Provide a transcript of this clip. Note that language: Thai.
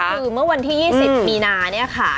คือเมื่อวันที่๒๐มีนาเนี่ยค่ะ